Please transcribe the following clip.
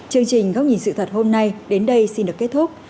chương trình góc nhìn sự thật hôm nay đến đây xin được kết thúc